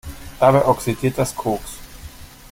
Dabei oxidiert das Koks.